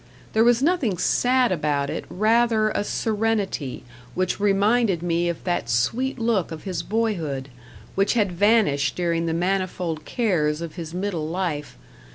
There was nothing sad about it; rather a serenity which reminded me of that sweet look of his boyhood, which had vanished during the manifold cares of his middle life.